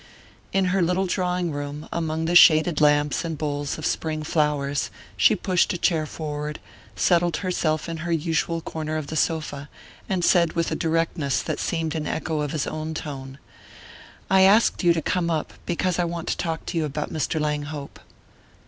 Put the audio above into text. In her little drawing room, among the shaded lamps and bowls of spring flowers, she pushed a chair forward, settled herself in her usual corner of the sofa, and said with a directness that seemed an echo of his own tone: "I asked you to come up because I want to talk to you about Mr. Langhope."